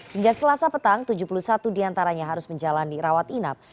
hingga selasa petang tujuh puluh satu diantaranya harus menjalani rawat inap